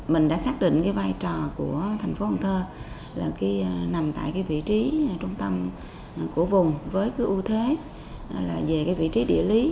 mình đã xác định cái vai trò của thành phố cần thơ là nằm tại cái vị trí trung tâm của vùng với cái ưu thế là về cái vị trí địa lý